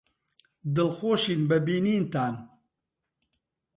دڵخۆشین بە بینینتان.